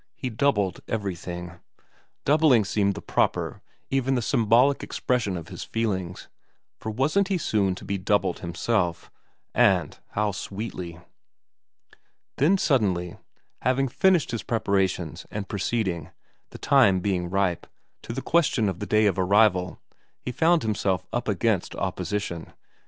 He doubled every thing. Doubling seemed the proper, even the symbolic expression of his feelings, for wasn't he soon going to be doubled himself ? And how sweetly. Then suddenly, having finished his preparations and proceeding, the time being ripe, to the question of the day of arrival, he found himself up against opposition.